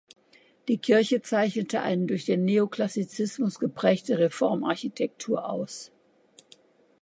Die Kirche zeichnete eine durch den Neoklassizismus geprägte Reformarchitektur aus.